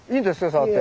触って。